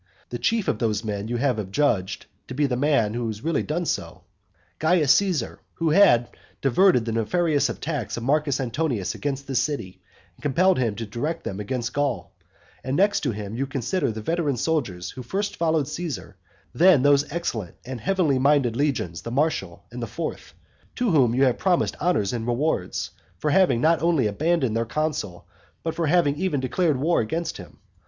And the chief of those men you have adjudged to be the man who really has done so, Caius Caesar, who had diverted the nefarious attacks of Marcus Antonius against this city, and compelled him to direct them against Gaul; and next to him you consider the veteran soldiers who first followed Caesar; then those excellent and heavenly minded legions the Martial and the fourth, to whom you have promised honours and rewards, for having not only abandoned their consul, but for having even declared war against him.